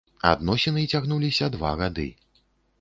Адносіны цягнуліся два гады.